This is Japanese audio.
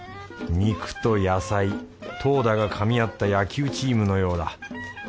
肉と野菜投打がかみ合った野球チームのようだ。